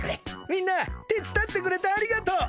みんなてつだってくれてありがとう。